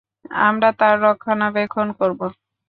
আমরা তার রক্ষণাবেক্ষণ করব।